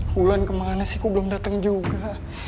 huluan kemana sih gue belum datang juga